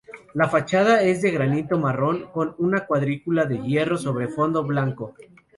La fachada es de granito marrón con una cuadrícula de hierro sobre fondo blanco.